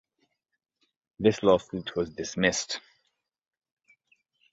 This lawsuit was dismissed.